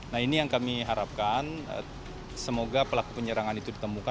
nah ini yang kami harapkan semoga pelaku penyerangan itu ditemukan